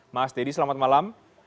mas deddy selamat malam